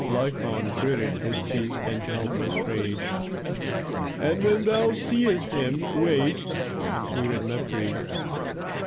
Lykon gritted his teeth in helpless rage. "And when thou seest him, wake," concluded Mefres.